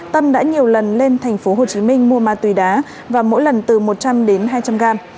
tâm đã nhiều lần lên tp hcm mua ma túy đá và mỗi lần từ một trăm linh đến hai trăm linh gram